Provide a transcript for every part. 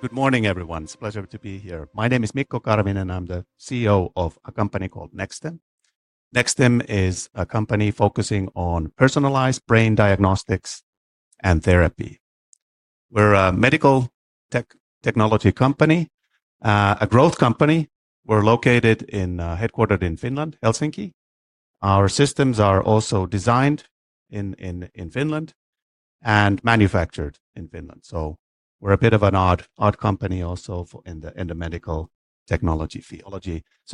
Good morning, everyone. It's a pleasure to be here. My name is Mikko Karvinen, and I'm the CEO of a company called Nexstim. Nexstim is a company focusing on personalized brain diagnostics and therapy. We're a medical technology company, a growth company. We're headquartered in Finland, Helsinki. Our systems are also designed in Finland and manufactured in Finland. We're a bit of an odd company also in the medical technology field.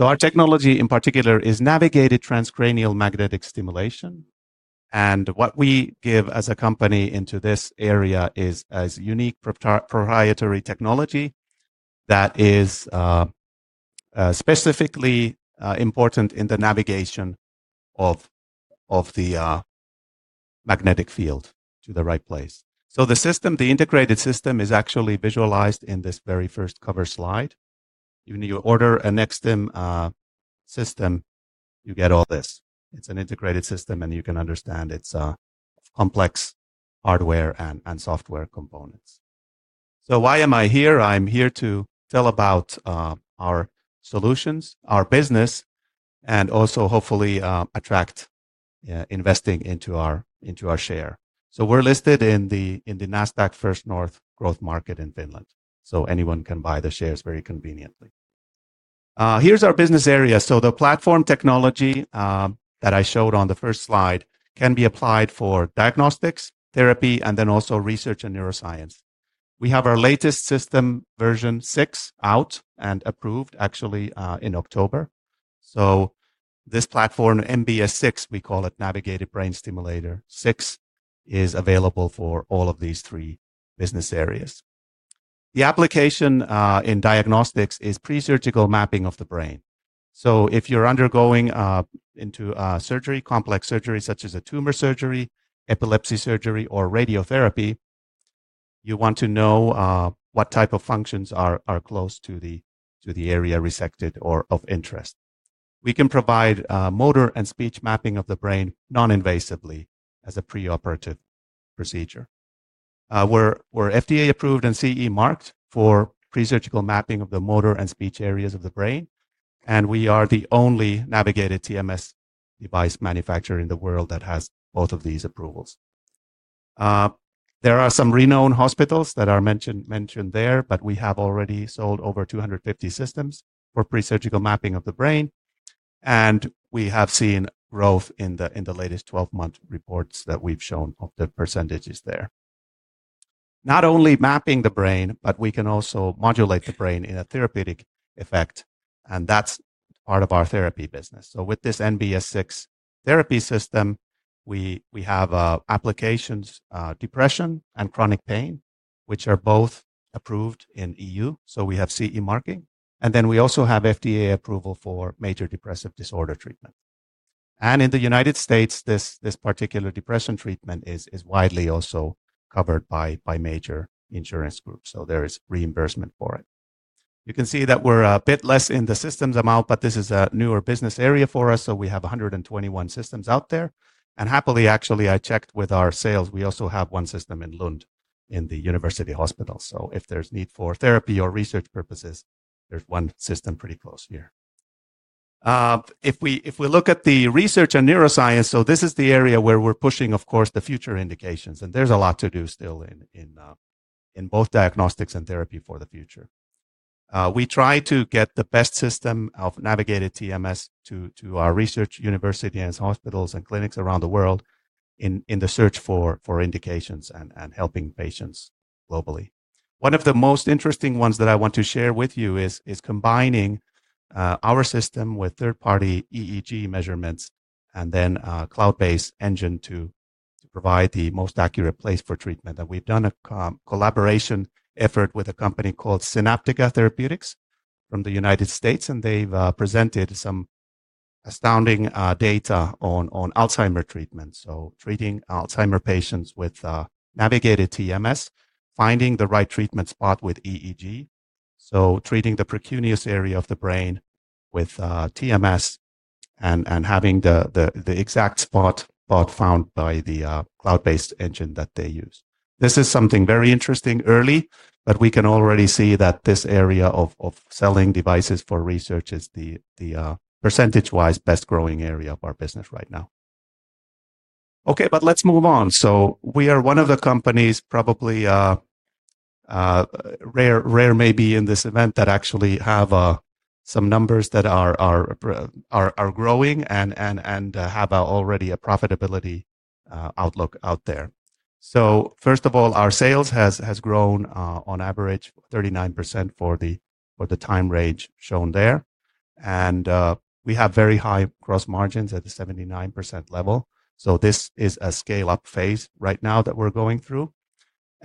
Our technology in particular is navigated transcranial magnetic stimulation. What we give as a company into this area is a unique proprietary technology that is specifically important in the navigation of the magnetic field to the right place. The system, the integrated system, is actually visualized in this very first cover slide. When you order a Nexstim system, you get all this. It's an integrated system, and you can understand its complex hardware and software components. Why am I here? I'm here to tell about our solutions, our business, and also hopefully attract investing into our share. We're listed in the Nasdaq First North Growth Market in Finland. Anyone can buy the shares very conveniently. Here's our business area. The platform technology that I showed on the first slide can be applied for diagnostics, therapy, and then also research and neuroscience. We have our latest system, version 6, out and approved actually in October. This platform, NBS 6, we call it Navigated Brain Stimulator 6, is available for all of these three business areas. The application in diagnostics is pre-surgical mapping of the brain. If you're undergoing surgery, complex surgery such as a tumor surgery, epilepsy surgery, or radiotherapy, you want to know what type of functions are close to the area resected or of interest. We can provide motor and speech mapping of the brain non-invasively as a preoperative procedure. We're FDA approved and CE marked for pre-surgical mapping of the motor and speech areas of the brain. We are the only navigated TMS device manufacturer in the world that has both of these approvals. There are some renowned hospitals that are mentioned there, but we have already sold over 250 systems for pre-surgical mapping of the brain. We have seen growth in the latest 12-month reports that we've shown of the percentages there. Not only mapping the brain, but we can also modulate the brain in a therapeutic effect. That's part of our therapy business. With this NBS 6 therapy system, we have applications for depression and chronic pain, which are both approved in the EU. We have CE marking. We also have FDA approval for major depressive disorder treatment. In the United States, this particular depression treatment is widely also covered by major insurance groups, so there is reimbursement for it. You can see that we're a bit less in the systems amount, but this is a newer business area for us we have 121 systems out there. Happily, actually, I checked with our sales. We also have one system in Lund in the university hospital, so if there's need for therapy or research purposes, there's one system pretty close here. If we look at the research and neuroscience, this is the area where we're pushing, of course, the future indications. There is a lot to do still in both diagnostics and therapy for the future. We try to get the best system of navigated TMS to our research university and hospitals and clinics around the world in the search for indications and helping patients globally. One of the most interesting ones that I want to share with you is combining our system with third-party EEG measurements and then a cloud-based engine to provide the most accurate place for treatment. We have done a collaboration effort with a company called Synaptica Therapeutics from the United States. They have presented some astounding data on Alzheimer's treatment. Treating Alzheimer's patients with navigated TMS, finding the right treatment spot with EEG. Treating the precuneus area of the brain with TMS and having the exact spot found by the cloud-based engine that they use. This is something very interesting early, but we can already see that this area of selling devices for research is the percentage-wise best growing area of our business right now. Okay, let's move on. We are one of the companies, probably rare maybe in this event, that actually have some numbers that are growing and have already a profitability outlook out there. First of all, our sales has grown on average 39% for the time range shown there. We have very high gross margins at the 79% level. This is a scale-up phase right now that we're going through.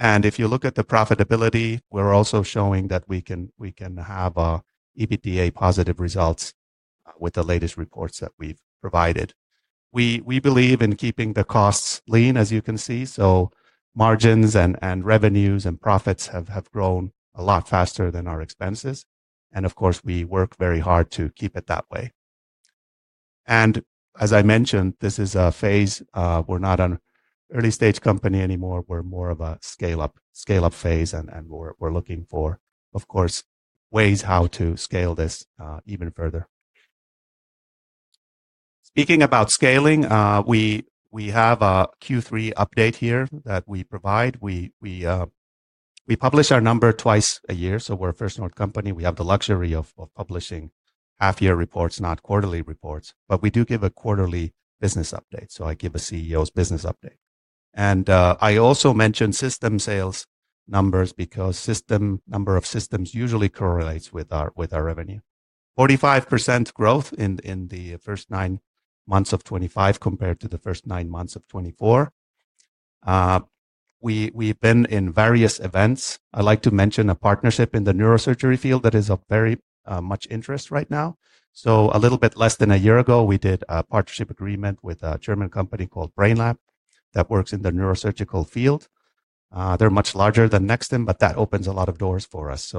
If you look at the profitability, we're also showing that we can have EBITDA positive results with the latest reports that we've provided. We believe in keeping the costs lean, as you can see. Margins and revenues and profits have grown a lot faster than our expenses. Of course, we work very hard to keep it that way. As I mentioned, this is a phase. We're not an early-stage company anymore. We're more of a scale-up phase. We're looking for, of course, ways how to scale this even further. Speaking about scaling, we have a Q3 update here that we provide. We publish our number twice a year. We're a First North company. We have the luxury of publishing half-year reports, not quarterly reports. We do give a quarterly business update. I give a CEO's business update. I also mention system sales numbers because the number of systems usually correlates with our revenue. 45% growth in the first nine months of 2025 compared to the first nine months of 2024. We've been in various events. I'd like to mention a partnership in the neurosurgery field that is of very much interest right now. A little bit less than a year ago, we did a partnership agreement with a German company called Brainlab that works in the neurosurgical field. They're much larger than Nexstim, but that opens a lot of doors for us.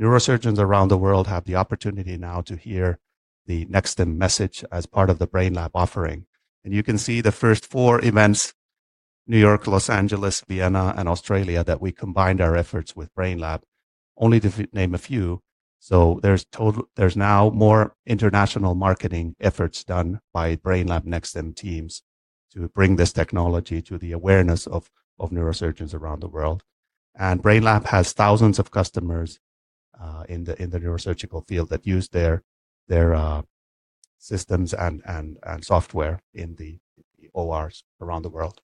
Neurosurgeons around the world have the opportunity now to hear the Nexstim message as part of the Brainlab offering. You can see the first four events, New York, Los Angeles, Vienna, and Australia, that we combined our efforts with Brainlab, only to name a few. There's now more international marketing efforts done by Brainlab Nexstim teams to bring this technology to the awareness of neurosurgeons around the world. Brainlab has thousands of customers in the neurosurgical field that use their systems and software in the ORs around the world.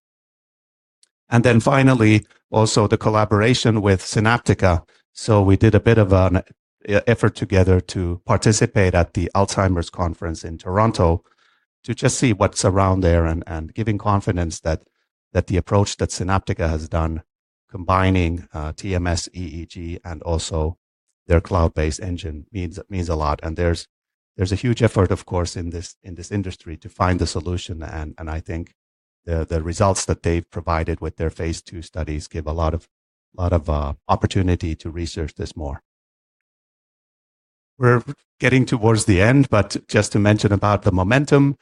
Finally, also the collaboration with Synaptica. We did a bit of an effort together to participate at the Alzheimer's Conference in Toronto to just see what's around there and giving confidence that the approach that Synaptica has done, combining TMS, EEG, and also their cloud-based engine, means a lot. There is a huge effort, of course, in this industry to find the solution. I think the results that they've provided with their phase two studies give a lot of opportunity to research this more. We are getting towards the end, but just to mention about the momentum.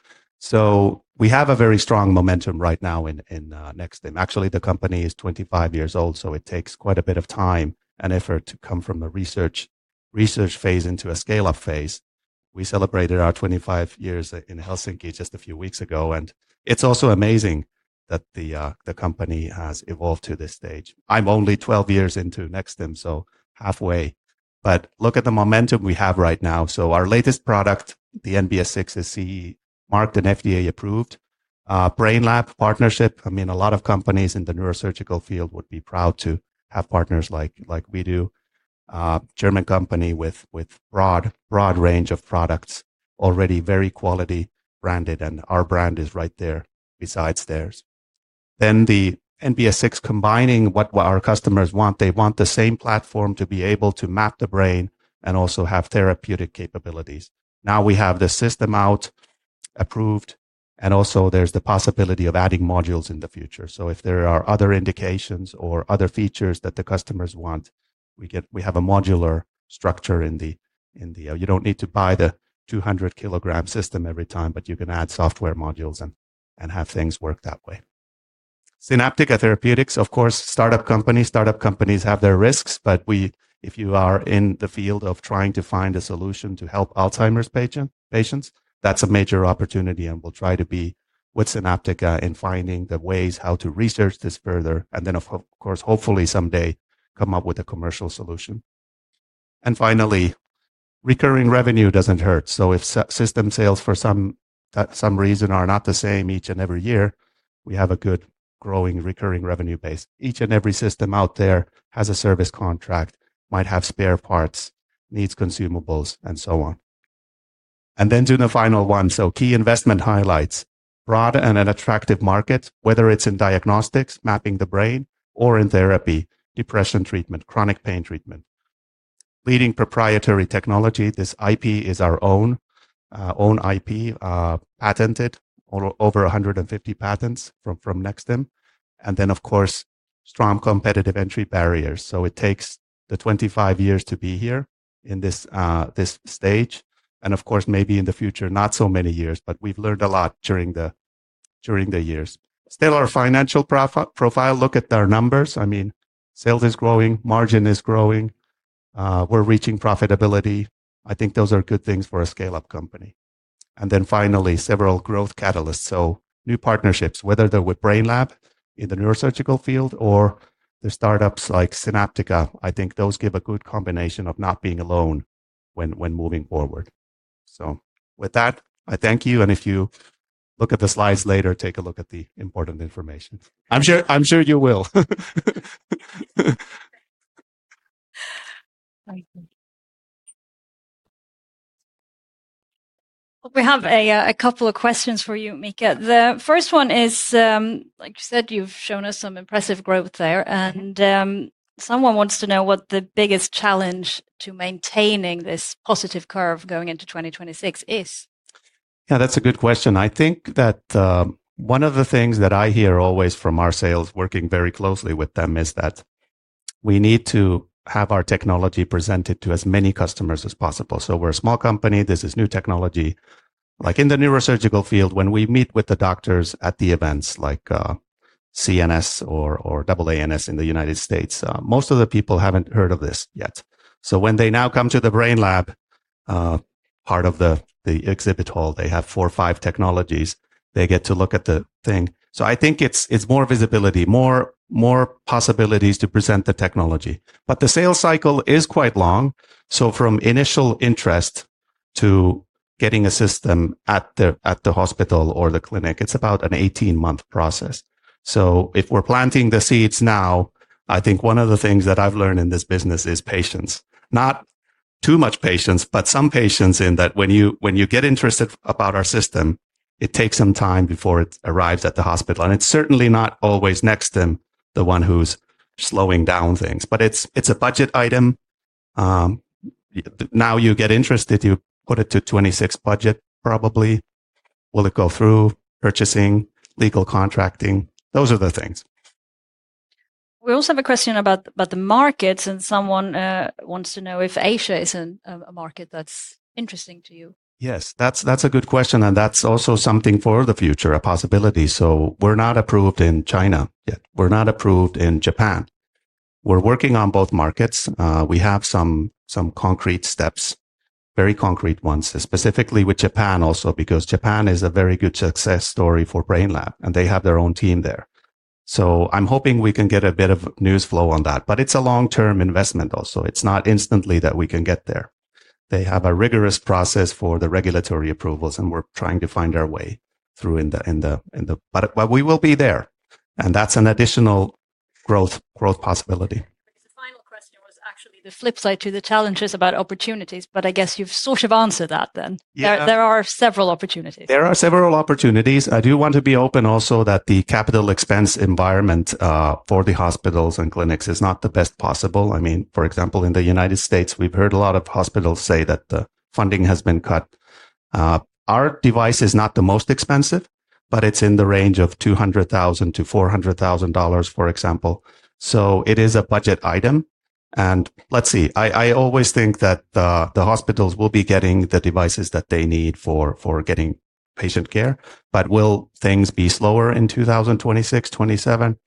We have a very strong momentum right now in Nexstim. Actually, the company is 25 years old, so it takes quite a bit of time and effort to come from the research phase into a scale-up phase. We celebrated our 25 years in Helsinki just a few weeks ago. It's also amazing that the company has evolved to this stage. I'm only 12 years into Nexstim, so halfway. Look at the momentum we have right now. Our latest product, the NBS 6, is CE marked and FDA approved. Brainlab partnership, I mean, a lot of companies in the neurosurgical field would be proud to have partners like we do. German company with a broad range of products, already very quality branded. Our brand is right there besides theirs. The NBS 6 combining what our customers want. They want the same platform to be able to map the brain and also have therapeutic capabilities. Now we have the system out approved. Also, there's the possibility of adding modules in the future. If there are other indications or other features that the customers want, we have a modular structure in the system. You don't need to buy the 200-kilogram system every time, but you can add software modules and have things work that way. Synaptica Therapeutics, of course, startup company. Startup companies have their risks. If you are in the field of trying to find a solution to help Alzheimer's patients, that's a major opportunity. We'll try to be with Synaptica in finding the ways how to research this further. Of course, hopefully someday come up with a commercial solution. Finally, recurring revenue doesn't hurt. If system sales for some reason are not the same each and every year, we have a good growing recurring revenue base. Each and every system out there has a service contract, might have spare parts, needs consumables, and so on. To the final one. Key investment highlights, broad and an attractive market, whether it's in diagnostics, mapping the brain, or in therapy, depression treatment, chronic pain treatment. Leading proprietary technology, this IP is our own IP, patented, over 150 patents from Nexstim. Of course, strong competitive entry barriers. It takes the 25 years to be here in this stage. Of course, maybe in the future, not so many years. We've learned a lot during the years. Still, our financial profile, look at our numbers. I mean, sales is growing, margin is growing. We're reaching profitability. I think those are good things for a scale-up company. Finally, several growth catalysts. New partnerships, whether they're with Brainlab in the neurosurgical field or the startups like Synaptica, I think those give a good combination of not being alone when moving forward. With that, I thank you. If you look at the slides later, take a look at the important information. I'm sure you will. We have a couple of questions for you, Mikko. The first one is, like you said, you've shown us some impressive growth there. Someone wants to know what the biggest challenge to maintaining this positive curve going into 2026 is. Yeah, that's a good question. I think that one of the things that I hear always from our sales working very closely with them is that we need to have our technology presented to as many customers as possible. We're a small company. This is new technology. Like in the neurosurgical field, when we meet with the doctors at the events like CNS or AANS in the United States, most of the people haven't heard of this yet. When they now come to the Brainlab part of the exhibit hall, they have four or five technologies. They get to look at the thing. I think it's more visibility, more possibilities to present the technology. The sales cycle is quite long. From initial interest to getting a system at the hospital or the clinic, it's about an 18-month process. If we're planting the seeds now, I think one of the things that I've learned in this business is patience. Not too much patience, but some patience in that when you get interested about our system, it takes some time before it arrives at the hospital. It is certainly not always Nexstim, the one who's slowing down things. It is a budget item. Now you get interested, you put it to 2026 budget, probably. Will it go through purchasing, legal contracting? Those are the things. We also have a question about the markets. Someone wants to know if Asia is a market that's interesting to you. Yes, that's a good question. That is also something for the future, a possibility. We are not approved in China yet. We are not approved in Japan. We are working on both markets. We have some concrete steps, very concrete ones, specifically with Japan also because Japan is a very good success story for Brainlab. They have their own team there. I am hoping we can get a bit of news flow on that. It is a long-term investment also. It is not instantly that we can get there. They have a rigorous process for the regulatory approvals. We're trying to find our way through in the... We will be there. That's an additional growth possibility. The final question was actually the flip side to the challenges about opportunities. I guess you've sort of answered that then. There are several opportunities. There are several opportunities. I do want to be open also that the capital expense environment for the hospitals and clinics is not the best possible. I mean, for example, in the United States, we've heard a lot of hospitals say that the funding has been cut. Our device is not the most expensive, but it's in the range of $200,000-$400,000, for example. It is a budget item. Let's see. I always think that the hospitals will be getting the devices that they need for getting patient care. Will things be slower in 2026, 2027?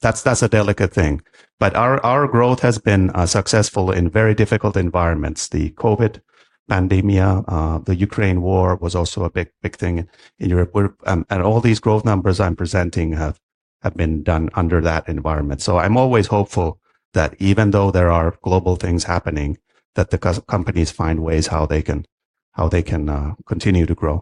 That's a delicate thing. Our growth has been successful in very difficult environments. The COVID pandemia, the Ukraine war was also a big thing in Europe. All these growth numbers I'm presenting have been done under that environment. I'm always hopeful that even though there are global things happening, the companies find ways how they can continue to grow.